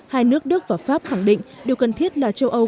hai nước đức và pháp khẳng định điều cần thiết là châu âu